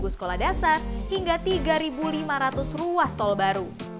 dua ratus dua puluh tujuh sekolah dasar hingga tiga lima ratus ruas tol baru